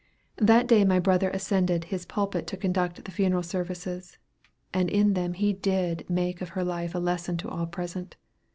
That day my brother ascended his pulpit to conduct the funeral services, and in them he did make of her life a lesson to all present.